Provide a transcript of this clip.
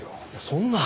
そんな。